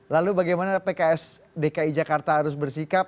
lalu bagaimana pks dki jakarta harus bersikap